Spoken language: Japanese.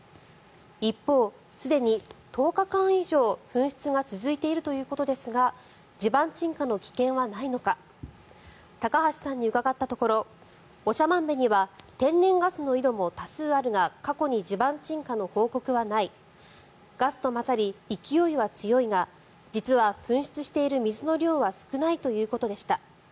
一方、すでに１０日間以上噴出が続いているということですが地盤沈下の危険はないのか高橋さんに伺ったところ長万部には天然ガスの井戸も多数あるが過去に地盤沈下の報告はないガスと混ざり、勢いは強いが実は噴出している水の量は少ないということでした。